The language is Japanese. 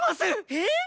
えっ⁉